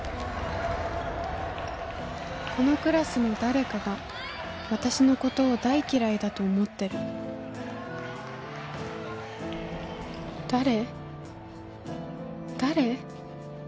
このクラスの誰かが私のことを大嫌いだと思ってる誰誰？